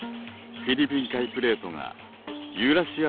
フィリピン海プレートがユーラシア